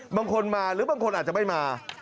บางคนมาหรือบางคนอาจจะไม่มา